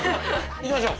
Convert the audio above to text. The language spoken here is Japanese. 行きましょう！